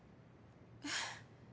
えっ？